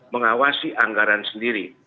mengawasi anggaran sendiri